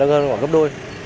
nâng hơn khoảng gấp đôi